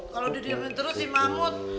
kalau didiamin terus si mamut